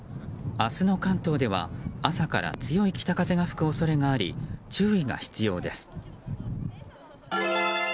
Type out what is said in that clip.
明日の関東では、朝から強い北風が吹く恐れがあり注意が必要です。